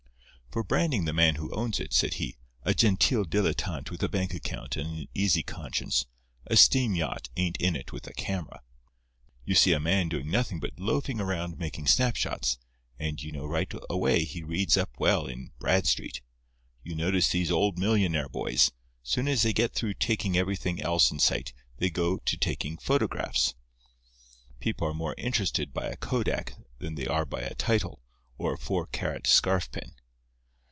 "For branding the man who owns it," said he, "a genteel dilettante with a bank account and an easy conscience, a steam yacht ain't in it with a camera. You see a man doing nothing but loafing around making snap shots, and you know right away he reads up well in 'Bradstreet.' You notice these old millionaire boys—soon as they get through taking everything else in sight they go to taking photographs. People are more impressed by a kodak than they are by a title or a four carat scarf pin."